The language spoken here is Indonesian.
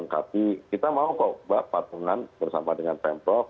kita mau kok bawa patungan bersama dengan pemprok